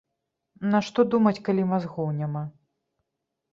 Нашто думаць, калі мазгоў няма!